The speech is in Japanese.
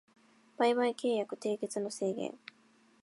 売買契約締結の制限